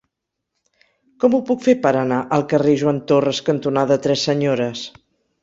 Com ho puc fer per anar al carrer Joan Torras cantonada Tres Senyores?